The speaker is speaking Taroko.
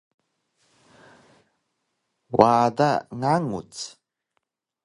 wada nganguc